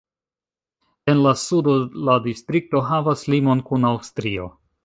En la sudo la distrikto havas limon kun Aŭstrio.